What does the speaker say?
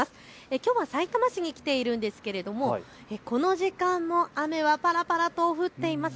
きょうはさいたま市に来ているんですけれどもこの時間も雨はぱらぱらと降っています。